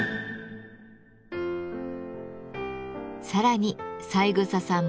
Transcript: さらに三枝さん